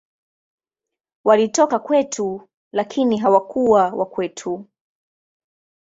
Walitoka kwetu, lakini hawakuwa wa kwetu.